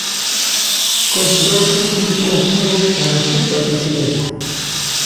Cos dous últimos días negros para o fútbol brasileiro.